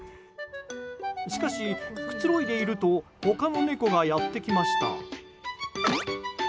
しかし、くつろいでいると他の猫がやってきました。